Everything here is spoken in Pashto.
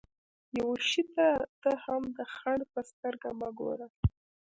يوه شي ته هم د خنډ په سترګه مه ګورئ.